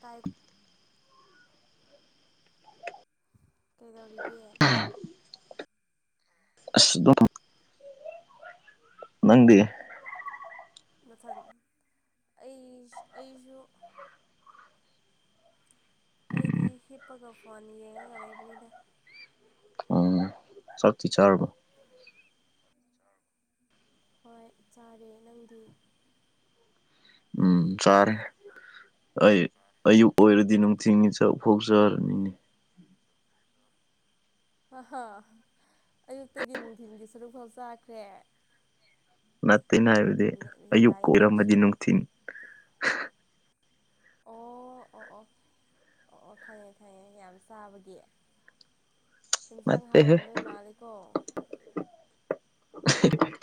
Tight ꯀꯩꯗꯧꯔꯤꯒꯦ ꯑꯁ ꯗꯇꯝ ꯅꯪꯗꯤ ꯃꯊꯪ ꯑꯩ ꯑꯩꯁꯨ ꯑꯩꯗꯤ ꯍꯤꯞꯄꯒ ꯐꯣꯟ ꯌꯦꯡꯉꯒ ꯂꯩꯕꯅꯤꯗ ꯎꯝ ꯆꯛꯇꯤ ꯆꯔꯕ ꯍꯣꯏ ꯆꯥꯔꯦ ꯅꯪꯗꯤ ꯎꯝ ꯆꯥꯔꯦ ꯑꯩ ꯑꯌꯨꯛ ꯑꯣꯏꯔꯗꯤ ꯅꯨꯡꯊꯤꯒꯤ ꯆꯥꯛ ꯐꯥꯎꯆꯔꯅꯤꯅꯦ ꯑꯍ ꯑꯌꯨꯛꯇꯒꯤ ꯅꯨꯡꯊꯤꯟꯒꯤ ꯁꯔꯨꯛ ꯐꯥꯎ ꯆꯥꯈ꯭ꯔꯦ ꯅꯠꯇꯦ ꯑꯩꯅ ꯍꯥꯏꯕꯗꯤ ꯑꯌꯨꯛ ꯌꯥꯏ ꯅꯪꯁꯨ ꯀꯣꯏꯔꯝꯃꯗꯤ ꯅꯨꯡꯊꯤꯟ ꯑꯣ ꯑꯣ ꯑꯣ ꯑꯣ ꯑꯣ ꯈꯪꯉꯦ ꯈꯪꯉꯦ ꯌꯥꯝ ꯆꯥꯕꯒꯤ ꯌꯦꯟꯁꯥꯡ ꯅꯠꯇꯦꯍꯦ ꯍꯥꯎꯔꯝꯗꯣꯏ ꯃꯥꯂꯦꯀꯣ [inaudible]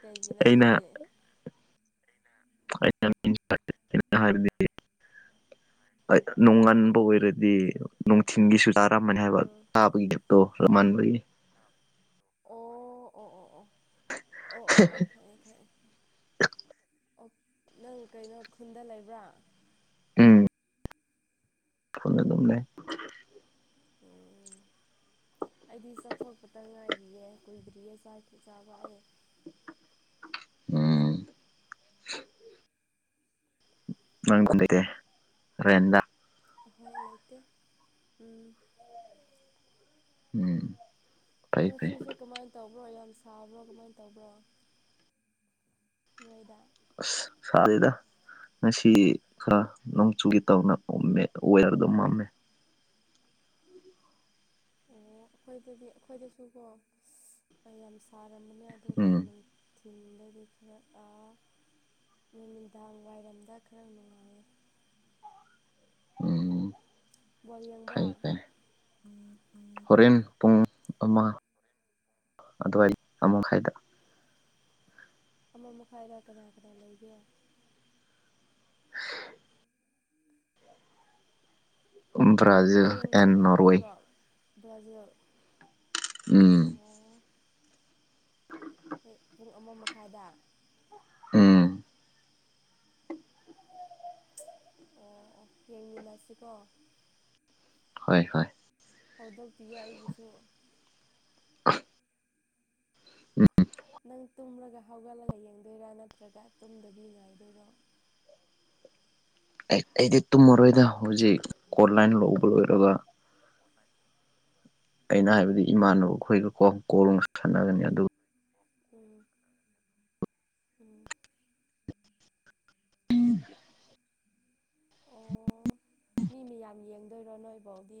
ꯀꯩꯒꯤꯅꯣ ꯑꯩꯅ ꯑꯗꯨꯗꯤ ꯍꯥꯏꯕꯗꯤ [inaudible] ꯅꯣꯡ ꯑꯥ ꯉꯟꯕ ꯑꯣꯏꯔꯗꯤ ꯅꯨꯡꯊꯤꯟꯒꯤꯁꯨ ꯆꯥꯔꯝꯃꯅꯤ ꯍꯥꯏꯕ ꯎꯝ ꯍꯥꯥꯒꯤꯖꯞꯇꯣ ꯔꯃꯥꯟꯕꯩꯅꯦ ꯑꯣ ꯑꯣ ꯑꯣ ꯑꯣ ꯑꯣ ꯑꯣ ꯑꯣ ꯈꯥꯏꯑꯦ ꯈꯥꯏꯦ ꯑꯣ ꯅꯪ ꯀꯩꯅꯣ ꯈꯨꯟꯗ ꯂꯩꯕ꯭ꯔꯥ ꯎꯝ ꯐꯣꯟꯅ ꯑꯗꯨꯝ ꯂꯩ ꯎꯝ ꯑꯩꯗꯤ ꯆꯠꯊꯣꯛꯄꯇ ꯉꯥꯏꯔꯤꯌꯦ ꯀꯨꯏꯗ꯭ꯔꯤꯌꯦ ꯆꯈꯤ ꯆꯥꯕꯌꯦ ꯎꯝ ꯅꯪꯀꯗꯔꯦ ꯔꯦꯗꯥ ꯍꯣꯏ ꯂꯩꯇ ꯎꯝ ꯎꯝ ꯐꯩ ꯎ ꯐꯩ ꯁꯤꯁꯤ ꯀꯃꯥꯏꯅ ꯇꯧꯕ꯭ꯔꯣ ꯌꯥꯝ ꯁꯥꯕ꯭ꯔꯣ ꯀꯃꯥꯏꯅ ꯇꯧꯕ꯭ꯔꯣ ꯅꯣꯏꯗ ꯑꯁ ꯁꯥꯗꯦꯗ ꯉꯁꯤ ꯈꯔ ꯅꯣꯡꯆꯨꯒꯤ ꯇꯥꯎꯅꯝꯃꯦ ꯋꯦꯌꯔꯗꯣ ꯃꯝꯃꯦ ꯑꯣ ꯑꯩꯈꯣꯏꯗꯗꯤ ꯑꯩꯈꯣꯏꯗꯁꯨꯀꯣ ꯌꯥꯝ ꯊꯥꯔꯝꯕꯅꯦ ꯑꯗꯨꯒ ꯎꯝ ꯅꯨꯃꯤꯠ ꯌꯨꯝꯗꯒꯤ ꯈꯔ ꯅꯨꯃꯤꯗꯥꯡ ꯋꯥꯏꯔꯝꯗ ꯈꯔ ꯅꯨꯡꯉꯥꯏꯌꯦ ꯎꯝ ꯕꯣ ꯌꯦꯡꯕ꯭ꯔꯥ ꯐꯩ ꯐꯩ ꯎꯝ ꯎꯝ ꯍꯣꯔꯦꯟ ꯄꯨꯡ ꯑꯃ ꯑꯗꯨꯋꯥꯏ ꯑꯃ ꯃꯈꯥꯏꯗ ꯑꯃ ꯃꯈꯥꯏꯗ ꯀꯅꯥ ꯀꯅꯥ ꯂꯩꯒꯦ ꯎꯝ ꯕ꯭ꯔꯥꯖꯤꯜ ꯍꯌꯦꯡꯁꯦ ꯑꯦꯟ ꯀꯩꯅꯣ ꯅꯣꯔꯋꯦ ꯂꯩꯕ꯭ꯔꯣ ꯕ꯭ꯔꯥꯖꯤꯜ ꯎꯝ ꯑꯣ ꯍꯣꯏ ꯄꯨꯡ ꯑꯃ ꯃꯈꯥꯏꯗ ꯎꯝ ꯑꯣ ꯑꯣ ꯌꯦꯡꯃꯤꯟꯅꯁꯤꯀꯣ ꯍꯣꯏ ꯍꯣꯏ ꯍꯧꯗꯣꯛꯄꯤꯌꯨ ꯑꯩꯕꯨꯁꯨ ꯅꯪ ꯇꯨꯝꯂꯒ ꯍꯧꯒꯠꯂꯒ ꯌꯦꯡꯗꯣꯏꯔꯥ ꯅꯠꯇ꯭ꯔꯒ ꯇꯨꯝꯗꯕꯤ ꯉꯥꯏꯗꯣꯏꯔꯣ ꯑꯩꯗꯤ ꯇꯨꯝꯃꯔꯣꯏꯗ ꯍꯧꯖꯤꯛ ꯑꯣꯟꯂꯥꯏꯟ ꯂꯧꯕ ꯂꯣꯏꯔꯒ ꯑꯣꯟꯂꯥꯏꯟ ꯑꯩꯅ ꯍꯥꯏꯕꯗꯤ ꯏꯃꯥꯟꯅꯕ ꯑꯩꯈꯣꯏꯒꯀꯣ ꯀꯣꯂꯣꯡ ꯁꯥꯟꯅꯒꯅꯤ ꯑꯗꯨ ꯎꯝ ꯎꯝ ꯎꯝ ꯑꯣ ꯃꯤ ꯃꯌꯥꯝ ꯌꯦꯡꯗꯣꯏꯔꯣ ꯅꯣꯏꯕꯧꯗꯤ꯫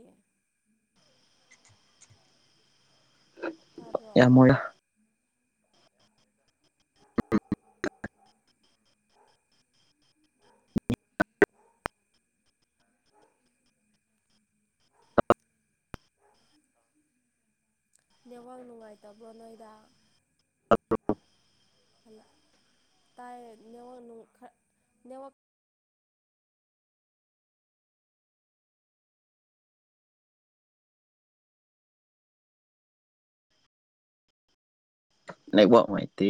ꯇꯥꯕ꯭ꯔꯣ ꯌꯥꯝ ꯃꯣꯏꯅ [inaudible] [inaudible] [inaudible] ꯅꯦꯠꯋꯥꯛ ꯅꯨꯡꯉꯥꯏꯇꯕ꯭ꯔꯣ ꯅꯣꯏꯗꯥ ꯇꯥꯏ ꯅꯦꯠꯋꯔꯛ ꯅꯨꯡ ꯈ ꯅꯦꯠꯋꯔꯛ ꯅꯨꯡꯉꯥꯏꯇꯦ꯫